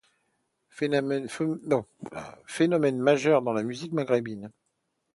Phénomène majeur dans la musique maghrébine.